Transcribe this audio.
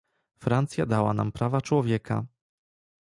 Francja dała nam prawa człowieka